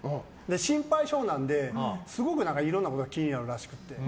心配性なのですごくいろんなこと気になるらしくて。